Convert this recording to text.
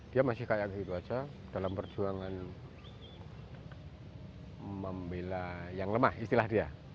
dia masih kayak gitu saja dalam perjuangan membela yang lemah istilahnya